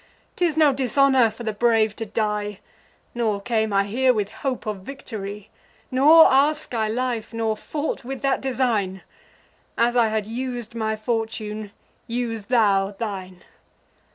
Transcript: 'Tis no dishonour for the brave to die, Nor came I here with hope of victory; Nor ask I life, nor fought with that design: As I had us'd my fortune, use thou thine.